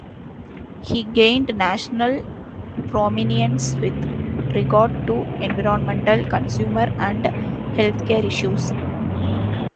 He gained national prominence with regard to environmental, consumer, and health care issues.